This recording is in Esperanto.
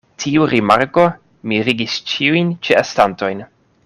Tiu rimarko mirigis ĉiujn ĉeestantojn.